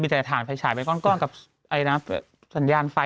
มีแตดถ่านไฟฉายควรค่อนก่อนกับสัญญาณไฟ